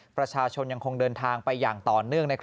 ประชาชนยังคงเดินทางไปอย่างต่อเนื่อง